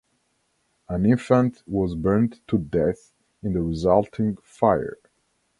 An infant was burnt to death in the resulting fire.